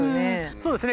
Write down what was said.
そうですね。